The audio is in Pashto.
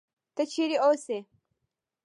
ته چېرې اوسې؟